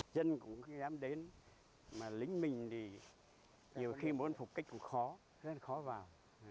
dân cũng khuyến ám đến mà lính mình thì nhiều khi muốn phục cách cũng khó rất là khó vào